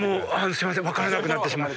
すいません分からなくなってしまって。